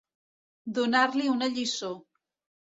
Donar-li una lliçó.